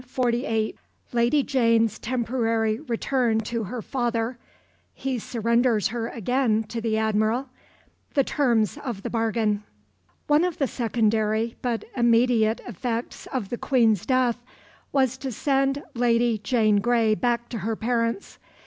CHAPTER VIII 1548 Lady Jane's temporary return to her father He surrenders her again to the Admiral The terms of the bargain. One of the secondary but immediate effects of the Queen's death was to send Lady Jane Grey back to her parents.